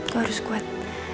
gue harus kuat